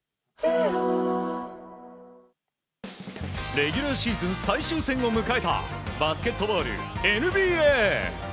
レギュラーシーズン最終戦を迎えたバスケットボールＮＢＡ。